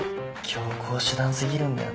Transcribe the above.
強硬手段過ぎるんだよな。